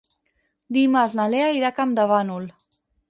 Dimarts na Lea irà a Campdevànol.